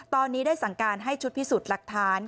ตอนนี้ได้สั่งการให้ชุดพิสูจน์หลักฐาน